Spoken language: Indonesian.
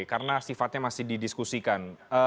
karena sifatnya masih didiskusikan